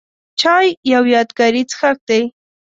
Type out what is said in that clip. چای یو یادګاري څښاک دی.